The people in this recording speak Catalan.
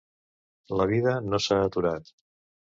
La vida no s’ha aturat.